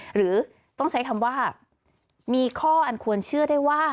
หรือต้องใช้คำว่ามีข้ออันควรเชื่อได้ว่า